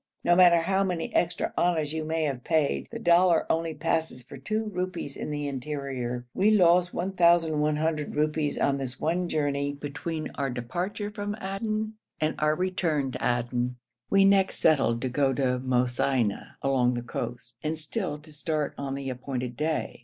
No matter how many extra annas you may have paid, the dollar only passes for two rupees in the interior. We lost 1,100 rupees on this one journey between our departure from Aden and our return to Aden. We next settled to go to Mosaina along the coast, and still to start on the appointed day.